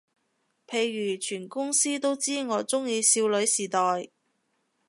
譬如全公司都知我鍾意少女時代